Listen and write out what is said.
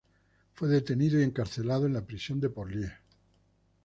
Fue detenido y encarcelado en la prisión de Porlier.